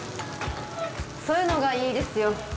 そういうのがいいですよ。